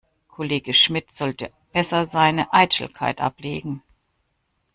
Kollege Schmidt sollte besser seine Eitelkeit ablegen.